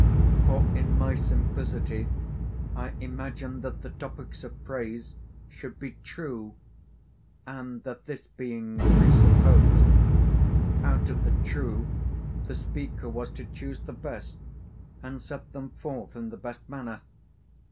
For in my simplicity I imagined that the topics of praise should be true, and that this being presupposed, out of the true the speaker was to choose the best and set them forth in the best manner.